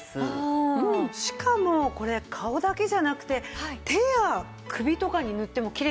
しかもこれ顔だけじゃなくて手や首とかに塗ってもきれいになるんですよね。